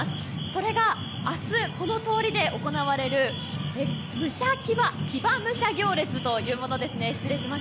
それが、明日、この通りで行われる騎馬武者行列というものですね。